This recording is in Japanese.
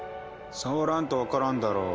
触らんと分からんだろう。